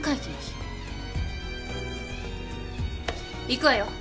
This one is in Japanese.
行くわよ。